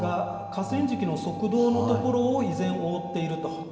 河川敷の側道の所を依然、覆っていると。